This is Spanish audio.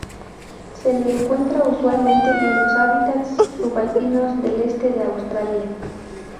Se le encuentra usualmente en los hábitats subalpinos del este de Australia.